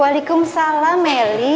walaikum salam meli